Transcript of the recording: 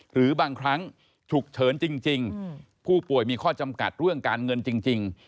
หรือบางครั้งฉุกเฉินจริงผู้ป่วยมีข้อจำกัดเรื่องการเงินจริง